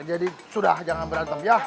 jadi sudah jangan berantem ya